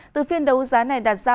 từ phiên đấu giá này đạt ra